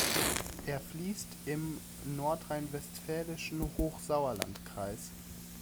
Er fließt im nordrhein-westfälischen Hochsauerlandkreis.